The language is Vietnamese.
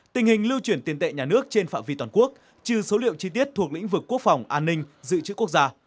tình hình lưu chuyển tiền tệ nhà nước trên phạm vi toàn quốc trừ số liệu chi tiết thuộc lĩnh vực quốc phòng an ninh dự trữ quốc gia